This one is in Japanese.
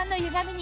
に